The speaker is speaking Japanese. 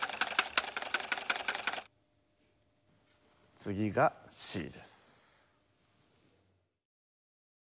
次がＣです。